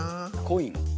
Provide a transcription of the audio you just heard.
「コイン？」